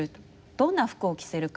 どんな服を着せるか。